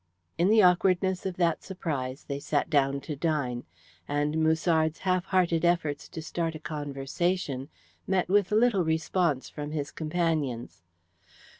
In the awkwardness of that surprise they sat down to dine, and Musard's half hearted efforts to start a conversation met with little response from his companions.